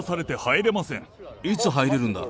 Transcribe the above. いつ入れるんだ？